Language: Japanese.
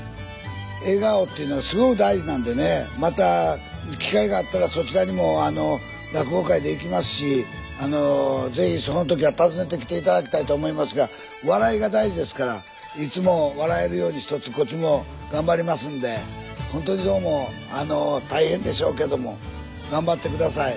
笑顔っていうのはすごく大事なんでねまた機会があったらそちらにも落語会で行きますし是非その時は訪ねてきて頂きたいと思いますが笑いが大事ですからいつも笑えるようにひとつこっちも頑張りますんでほんとにどうも大変でしょうけども頑張って下さい。